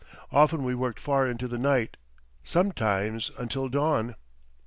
Often we worked far into the night sometimes until dawn.